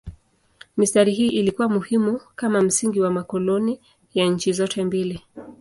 Mistari hii ilikuwa muhimu kama msingi wa makoloni ya nchi zote mbili.